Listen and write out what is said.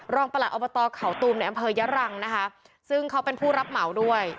ประหลัดอบตเขาตูมในอำเภอยะรังนะคะซึ่งเขาเป็นผู้รับเหมาด้วย